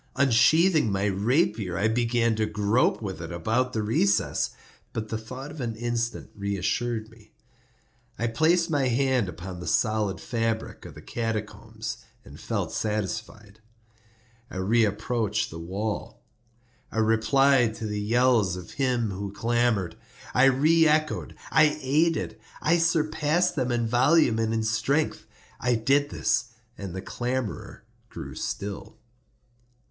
Unsheathing my rapier, I began to grope with it about the recess; but the thought of an instant reassured me. I placed my hand upon the solid fabric of the catacombs, and felt satisfied. I reapproached the wall. I replied to the yells of him who clamored. I re echoed—I aided—I surpassed them in volume and in strength. I did this, and the clamorer grew still.